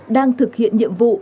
đang thực hiện nhiệm vụ